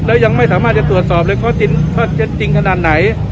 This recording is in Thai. แล้วยังไม่สามารถจะตรวจสอบเลย